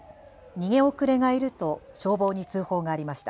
逃げ遅れがいると消防に通報がありました。